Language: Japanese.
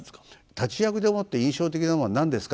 「立役でもって印象的なものは何ですか？」